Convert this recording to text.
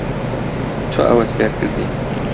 تۆ ئەوەت فێر کردین.